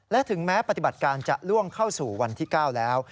และถึงแม้ปฏิบัติการจะล่วงเข้าสู่วันที่๙แล้ว